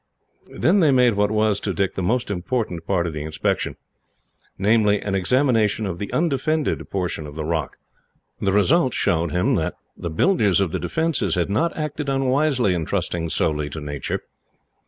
Then they made what was, to Dick, the most important part of the inspection; namely, an examination of the undefended portion of the rock. The result showed him that the builders of the defences had not acted unwisely in trusting solely to nature.